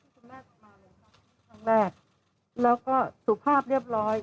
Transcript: คุณแม่จะมาเลยค่ะครั้งแรกแล้วก็สุภาพเรียบร้อย